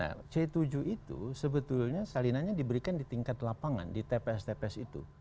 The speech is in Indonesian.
nah c tujuh itu sebetulnya salinannya diberikan di tingkat lapangan di tps tps itu